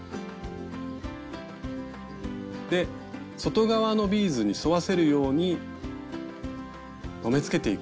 で外側のビーズに沿わせるように留めつけていく。